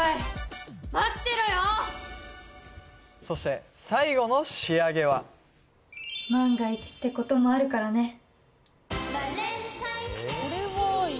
そして最後の仕上げは万が一ってこともあるからね